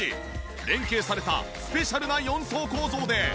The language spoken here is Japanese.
連係されたスペシャルな４層構造で。